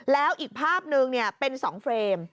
แล้วอีกภาพนึงเป็น๒เฟรม